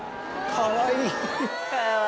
かわいい。